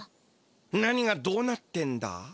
何がどうなってんだ？